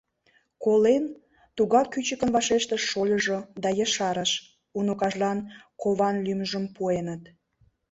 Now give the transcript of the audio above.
— Колен, — тугак кӱчыкын вашештыш шольыжо да ешарыш: — Уныкажлан кован лӱмжым пуэныт.